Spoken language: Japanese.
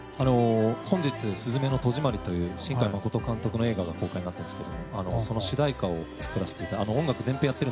本日「すずめの戸締まり」という新海誠監督の映画が公開になったんですけどその主題歌を作らせていただいて。